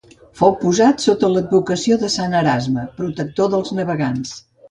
Fou posat sota l'advocació de Sant Erasme, protector dels navegants.